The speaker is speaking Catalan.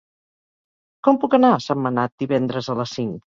Com puc anar a Sentmenat divendres a les cinc?